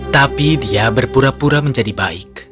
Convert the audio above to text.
tapi dia berpura pura menjadi baik